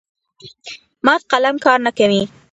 مات قلم کار نه کوي.